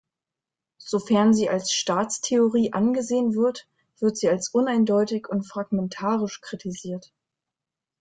Sofern sie als Staatstheorie angesehen wird, wird sie als uneindeutig und fragmentarisch kritisiert.